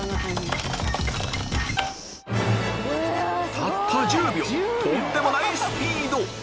たった１０秒とんでもないスピード！